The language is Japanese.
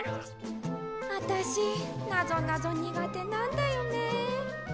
あたしなぞなぞにがてなんだよね。